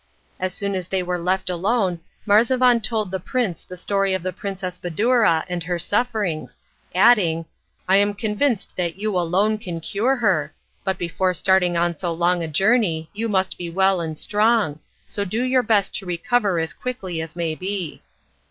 As soon as they were left alone Marzavan told the prince the story of the Princess Badoura and her sufferings, adding, "I am convinced that you alone can cure her; but before starting on so long a journey you must be well and strong, so do your best to recover as quickly as may be."